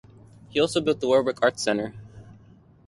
He also built the Warwick Arts Centre.